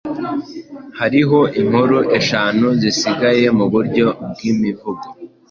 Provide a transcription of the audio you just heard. Hariho inkuru eshanu zisigaye muburyo bwimivugo